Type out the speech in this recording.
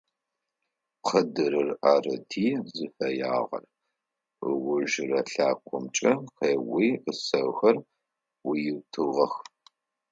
Къыдырыр арыти зыфэягъэр, ыужырэ лъакъомкӀэ къеуи, ыцэхэр Ӏуиутыгъэх.